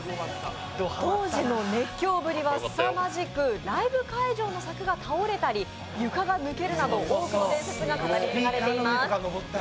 当時の熱狂ぶりはすさまじくライブ会場の柵が倒れたり床が抜けるなど、多くの伝説が語り継がれています。